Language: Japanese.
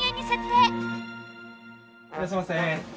いらっしゃいませ。